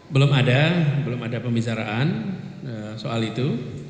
belum ada belum ada pembicaraan soal itu